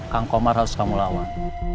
kang komar harus kamu lawan